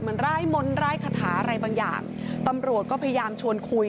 เหมือนไร้มนต์ไร้คาถาอะไรบางอย่างตำรวจก็พยายามชวนคุย